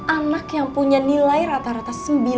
anak yang punya nilai rata rata sembilan dua